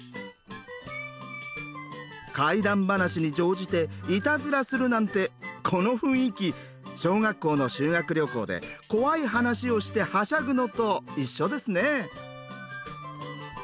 怪談ばなしに乗じてイタズラするなんてこの雰囲気小学校の修学旅行で怖い話をしてはしゃぐのと一緒ですねぇ。